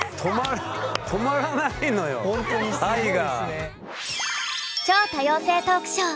止まらないのよ愛が。